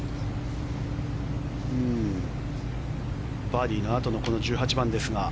バーディーのあとのこの１８番ですが。